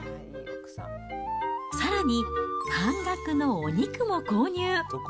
さらに半額のお肉も購入。